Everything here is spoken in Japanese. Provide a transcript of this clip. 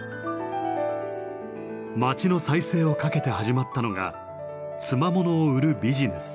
町の再生をかけて始まったのが「つまもの」を売るビジネス。